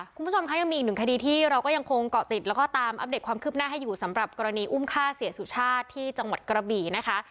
คุณผู้ชมคะยังมีอีกหนึ่งคดีที่เราก็ยังคงเกาะติดแล้วก็ตามอัปเดตความคืบหน้าให้อยู่สำหรับกรณีอุ้มฆ่าเสียสุชาติที่จังหวัดกระบี่นะคะ